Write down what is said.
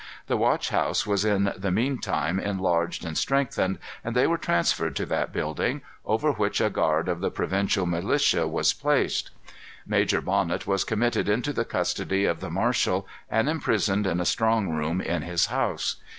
The watch house was in the mean time enlarged and strengthened, and they were transferred to that building, over which a guard of the provincial militia was placed. Major Bonnet was committed into the custody of the marshal, and imprisoned in a strong room in his house.